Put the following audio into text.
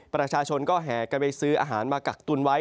ประชาชนก็แห่กันไปซื้ออาหารมากักตุนไว้